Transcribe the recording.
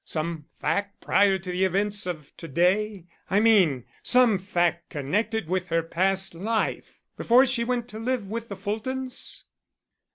Some fact prior to the events of to day, I mean; some fact connected with her past life; before she went to live with the Fultons?"